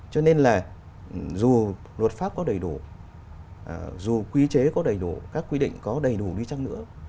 cho nên là dù luật pháp có đầy đủ dù quy chế có đầy đủ các quy định có đầy đủ đi chăng nữa